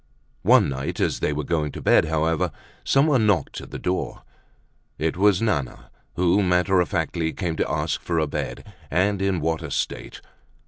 One night as they were going to bed, however, someone knocked at the door. It was Nana who matter of factly came to ask for a bed; and in what a state.